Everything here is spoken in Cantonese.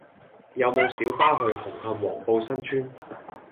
有無小巴去紅磡黃埔新邨